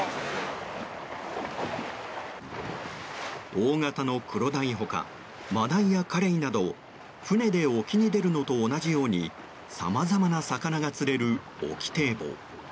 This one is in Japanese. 大型のクロダイの他マダイやカレイなど船で沖に出るのと同じようにさまざまな魚が釣れる沖堤防。